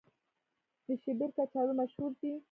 د شیبر کچالو مشهور دي